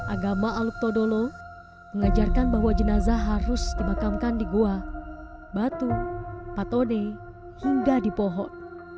agama aluk todolo mengajarkan bahwa jenazah harus dimakamkan di gua batu patone hingga di pohon